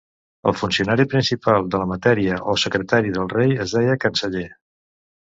El funcionari principal de la mateixa o secretari del rei es deia canceller.